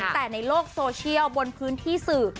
แต่ในโลกโซเชียลบนพื้นที่สื่อ